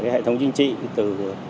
hệ thống chính trị từ